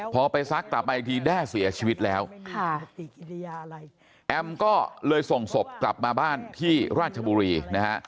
พอไปซักกลับมาอีกทีแด้เสียชีวิตแล้วค่ะแอมก็เลยส่งศพกลับมาบ้านที่ราชบุรีนะฮะ